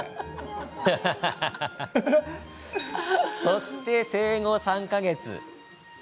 そして、生後３か月。